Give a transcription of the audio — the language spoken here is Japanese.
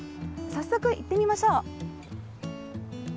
早速、行ってみましょう。